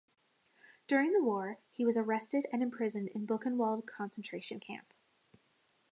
During the war, he was arrested and imprisoned in Buchenwald concentration camp.